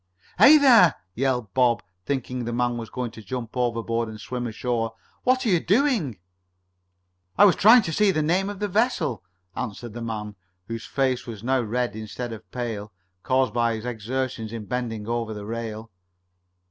"Hey there!" yelled Bob, thinking the man was going to Jump overboard and swim ashore. "What are you doing?" "I was trying to see the name of the vessel," answered the man, whose face was now red instead of pale, caused by his exertion in bending over the rail.